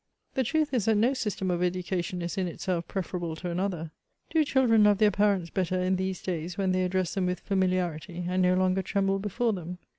The truth is, that no system of educa tion ift in itself preferable to another. Do children love their parents better in these days when they address them with fami liarity, and no longer tremble before them